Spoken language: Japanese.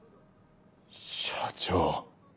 社長。